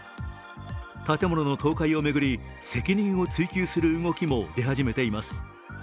建物の倒壊を巡り、責任を追及する動きも出始めています。